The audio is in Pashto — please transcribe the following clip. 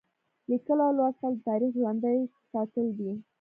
لیکل او لوستل د تاریخ ژوندي ساتل دي.